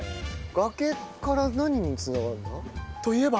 崖から何に繋がるんだ？といえば。